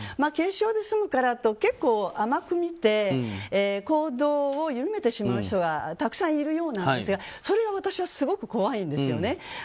軽症で済むからと結構甘く見て行動を緩めてしまう人がたくさんいるようなんですがそれが私はすごく怖いんですよね。